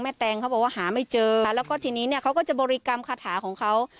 แตงเขาบอกว่าหาไม่เจอแล้วก็ทีนี้เนี่ยเขาก็จะบริกรรมคาถาของเขา